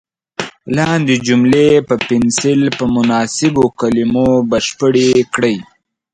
لاندې جملې په پنسل په مناسبو کلمو بشپړې کړئ.